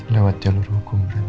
lewat jalur hukum berarti